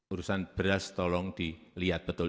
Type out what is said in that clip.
urusan beras tolong dilihat betul